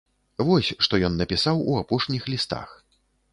Вось што ён напісаў у апошніх лістах.